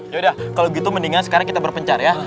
yaudah kalau gitu mendingan sekarang kita berpencar ya